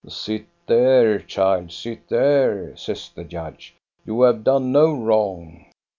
" Sit there, child, sit there !" says the judge. "You have done no wrong."